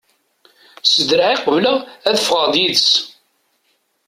S draɛ i qebleɣ ad ffɣeɣ d yid-s.